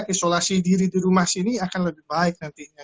isolasi diri di rumah sini akan lebih baik nantinya